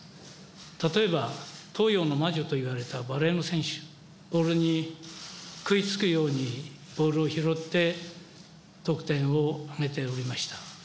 例えば、東洋の魔女といわれたバレーの選手、ボールに食いつくようにボールを拾って、得点を挙げておりました。